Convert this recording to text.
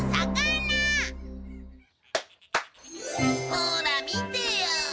ほーら見てよ。